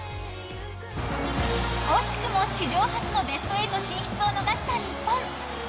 惜しくも史上初のベスト８進出を逃した日本。